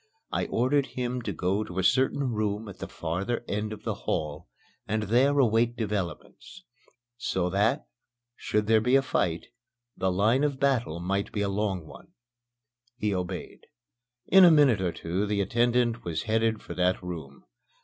I ordered him to go to a certain room at the farther end of the hall and there await developments so that, should there be a fight, the line of battle might be a long one. He obeyed. In a minute or two the attendant was headed for that room.